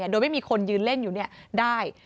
โดยไม่มีคนยืนเล่นอยู่ได้